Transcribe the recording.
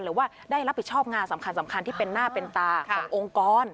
หรือว่าได้รับผิดชอบงานสำคัญที่เป็นหน้าเป็นตาขององค์กร